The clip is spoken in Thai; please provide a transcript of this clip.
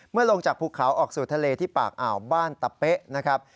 ลงจากภูเขาออกสู่ทะเลที่ปากอ่าวบ้านตะเป๊ะนะครับ